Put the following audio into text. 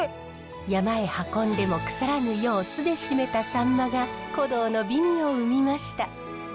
山へ運んでも腐らぬよう酢で締めたサンマが古道の美味を生みました。